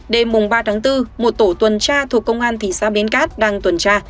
đêm ba tháng bốn một tổ tuần tra thuộc công an thị xã bến cát đang tuần tra